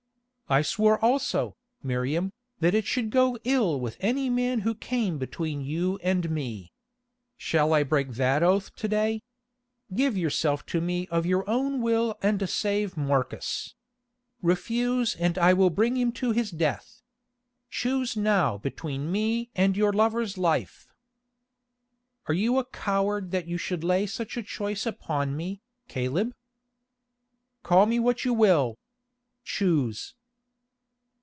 "I swore also, Miriam, that it should go ill with any man who came between you and me. Shall I break that oath to day? Give yourself to me of your own will and save Marcus. Refuse and I will bring him to his death. Choose now between me and your lover's life." "Are you a coward that you should lay such a choice upon me, Caleb?" "Call me what you will. Choose."